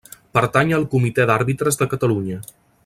Pertany al Comitè d'Àrbitres de Catalunya.